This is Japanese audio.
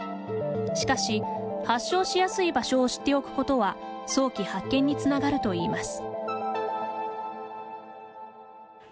しかし、発症しやすい場所を知っておくことは早期発見につながるといいます。